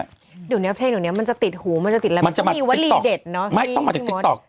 เดี๋ยวเนี้ยเพลงเดี๋ยวเนี้ยมันจะติดหูมันจะติดอะไรมันจะมามีวลีเด็ดเนอะไม่ต้องมาจากติ๊กต๊อก